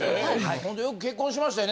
ほんとよく結婚しましたよね